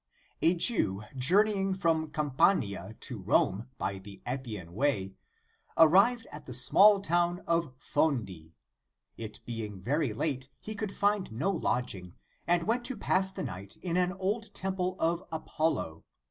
* "A Jew journeying from Campania to Rome by the Appian Way, arrived at the small town of Fondi. It being very late, he could find no lodging, and went to pass the night in an old temple of Apollo.